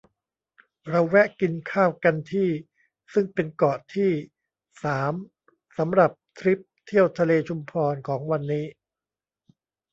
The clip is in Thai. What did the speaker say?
เราแวะกินข้าวกันที่ ซึ่งเป็นเกาะที่ สาม สำหรับทริปเที่ยวทะเลชุมพรของวันนี้